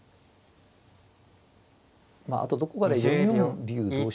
まああとどこかで４四竜同飛車